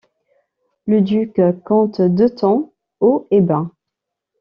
L'uduk compte deux tons, haut et bas.